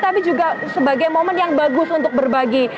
tapi juga sebagai momen yang bagus untuk berbagi